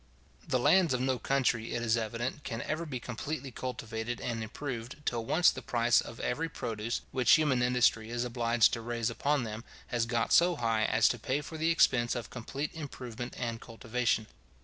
The lands of no country, it is evident, can ever be completely cultivated and improved, till once the price of every produce, which human industry is obliged to raise upon them, has got so high as to pay for the expense of complete improvement and cultivation.